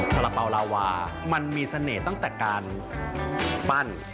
สาระเป๋าลาวามันมีเสน่ห์ตั้งแต่การปั้น